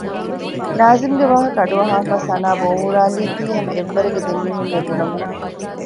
ނާޒިމްގެ ވާހަކަ އަޑުއަހާފައި ސަނާ ބޯހޫރާލީ ތީ ހަމަ އެއްވަރުގެ ދެމީހުންނޭ ބުނަމުން